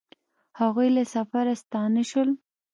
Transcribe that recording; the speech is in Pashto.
هغوی له سفره ستانه شول